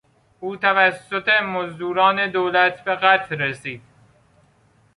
او توسط مزدوران دولت به قتل رسید.